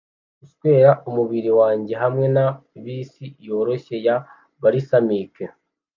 Guswera umubiri wanjye hamwe na bisi yoroshye ya balsamic,